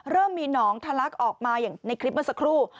เริ่มมีหนองทะลักออกมาอย่างในคลิปเมื่อสักครู่